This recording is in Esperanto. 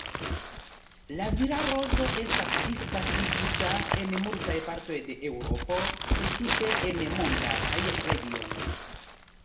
La vila rozo estas disvastigita en multaj partoj de Eŭropo precipe en montaraj regionoj.